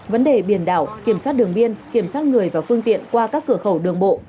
vấn đề biển đảo kiểm soát đường biên kiểm soát người và phương tiện qua các cửa khẩu đường bộ